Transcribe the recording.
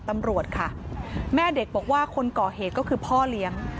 แม่เด็กบอกว่าคนเกาะเหตุก็คือพ่อเลี้ยง